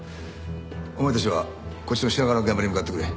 お前たちはこっちの品川の現場に向かってくれ。